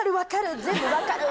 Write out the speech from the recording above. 全部分かる！